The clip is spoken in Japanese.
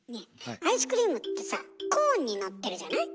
アイスクリームってさコーンにのってるじゃない？